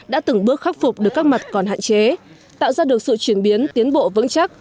đã từng bước khắc phục được các mặt còn hạn chế tạo ra được sự chuyển biến tiến bộ vững chắc